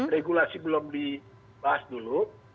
regulasi belum dibahas dulu